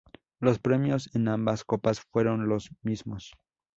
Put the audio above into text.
Los premios en ambas copas fueron los mismos.